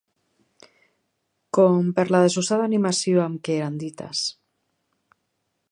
...com per la desusada animació amb què eren dites